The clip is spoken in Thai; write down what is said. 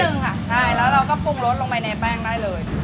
นิดนึงค่ะแล้วเราก็พุ่งลดลงไปในแป้งได้เลย